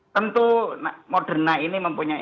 tentu moderna ini mempunyai